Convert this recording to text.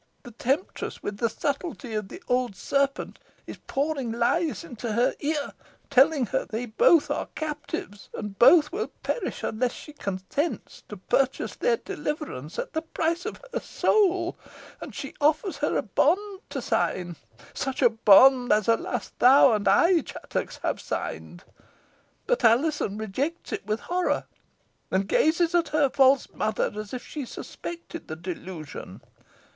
The temptress, with the subtlety of the old serpent, is pouring lies into her ear, telling her they both are captives, and both will perish unless she consents to purchase their deliverance at the price of her soul, and she offers her a bond to sign such a bond as, alas! thou and I, Chattox, have signed. But Alizon rejects it with horror, and gazes at her false mother as if she suspected the delusion.